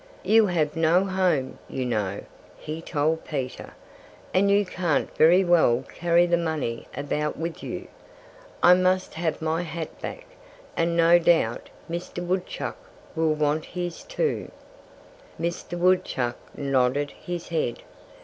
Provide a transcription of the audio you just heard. "You have no home, you know," he told Peter. "And you can't very well carry the money about with you. I must have my hat back; and no doubt Mr. Woodchuck will want his, too." Mr. Woodchuck nodded his head.